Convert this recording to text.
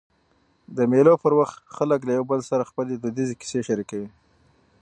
د مېلو پر وخت خلک له یو بل سره خپلي دودیزي کیسې شریکوي.